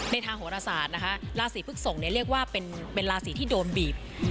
ทางโหรศาสตร์นะคะราศีพฤกษกเรียกว่าเป็นราศีที่โดนบีบ